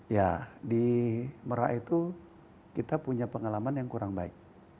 ya di merak itu kita punya pengalaman yang kurang baik